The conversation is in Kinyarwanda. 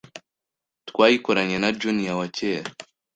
twayikoranye na Junior wakera